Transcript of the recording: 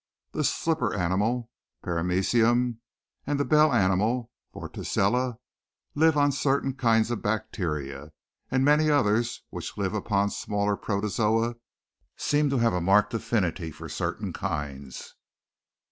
The 'slipper animal' (Paramecium) and the 'bell animal' (Vorticella) live on certain kinds of bacteria, and many others, which live upon smaller protozoa, seem to have a marked affinity for certain kinds.